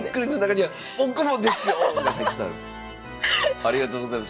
ありがとうございます。